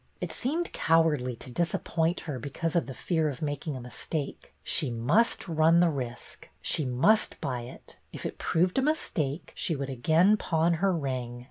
It seemed cowardly to disappoint her because of the fear of making a mistake. She must run the risk. She must buy it. If it proved a mistake she would again pawn her ring.